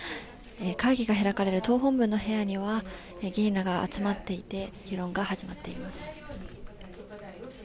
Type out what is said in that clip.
会議が開かれる党本部の部屋には議員らが集まっていて議論が始まっています。